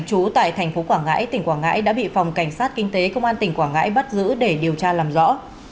chú tại tp quảng ngãi tỉnh quảng ngãi đã bị phòng cảnh sát kinh tế công an tỉnh quảng ngãi bắt giữ để điều tra làm rõ